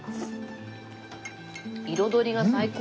彩りが最高。